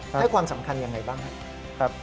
ให้ความสำคัญอย่างไรบ้าง